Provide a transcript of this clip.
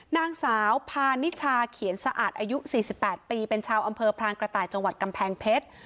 นางสาวพานิชาเขียนสะอาดอายุ๔๘ปีเป็นชาวอำเภอพรางกระต่ายจังหวัดกำแพงเพชร